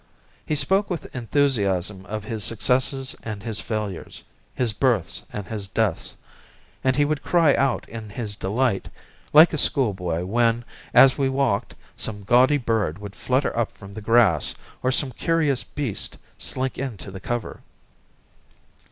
He spoke with enthusiasm of his successes and his failures, his births and his deaths, and he would cry out in his delight, like a schoolboy, when, as we walked, some gaudy bird would flutter up from the grass, or some curious beast slink into the cover.